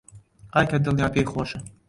ئای کە دڵیان پێی خۆشە